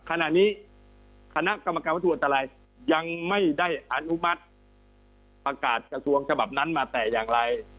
ขณะนี้คณะกรรมการวัตถุอันตรายยังไม่ได้อนุมัติประกาศกระทรวงฉบับนั้นมาแต่อย่างไร